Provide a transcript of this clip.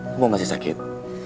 kamu masih sakit